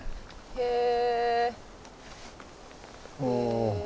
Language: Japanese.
へえ。